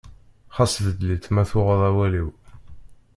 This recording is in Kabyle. Xas beddel-itt ma tuɣeḍ awal-iw.